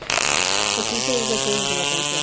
Existe dos versiones de la canción.